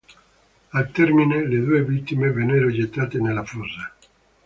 Al termine le due vittime vennero gettate nella fossa.